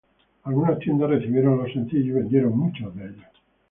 Algunas tiendas recibieron los sencillos y vendieron muchos de ellos.